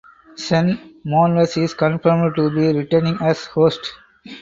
Chen Moonves is confirmed to be returning as host.